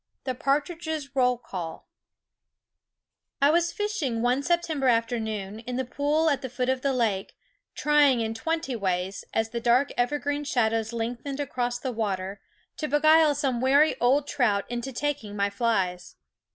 TfiETPARTRIDGES' % ROLL CALL I WAS fishing, one September afternoon, in the pool at the foot of the lake, trying in twenty ways, as the dark evergreen shadows lengthened across the water, to beguile some wary old trout into taking my flies.